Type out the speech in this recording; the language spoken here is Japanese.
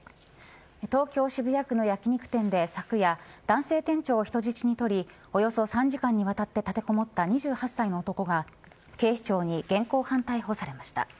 東京、渋谷区の焼き肉店で昨夜、男性店長を人質に取りおよそ３時間にわたって立てこもった２８歳の男が警視庁に現行犯逮捕されました。